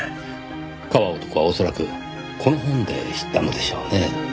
川男は恐らくこの本で知ったのでしょうね。